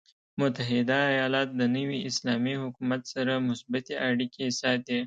متحده ایالات د نوي اسلامي حکومت سره مثبتې اړیکې ساتي.